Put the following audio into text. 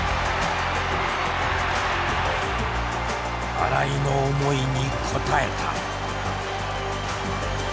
新井の思いに応えた。